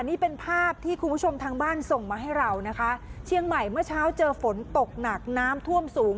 นี่เป็นภาพที่คุณผู้ชมทางบ้านส่งมาให้เรานะคะเชียงใหม่เมื่อเช้าเจอฝนตกหนักน้ำท่วมสูง